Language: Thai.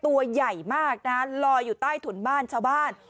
ตัวใหญ่มากนะฮะลอยอยู่ใต้ถุนบ้านชาวบ้าน